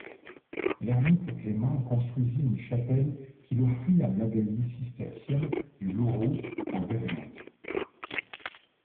L’ermite Clément construisit une chapelle qu’il offrit à l’abbaye cistercienne du Louroux en Vernantes.